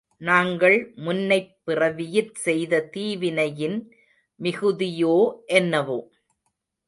நாங்கள் முன்னைப் பிறவியிற் செய்த தீவினையின் மிகுதியோ என்னவோ?